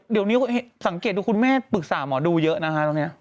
เดี๋ยวนิ้วสังเกตดูคุณแม่ปรึกษาหมอดูเยอะนะคะตรงนี้